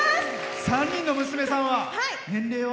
３人の娘さんは、年齢は？